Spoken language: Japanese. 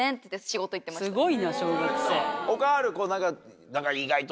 すごいな小学生。